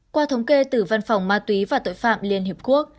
qua thống kê từ văn phòng ma túy và tội phạm liên hiệp quốc